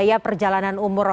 kemudian biaya perjalanan umur